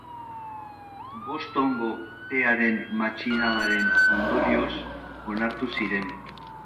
Bostongo Tearen Matxinadaren ondorioz onartu ziren.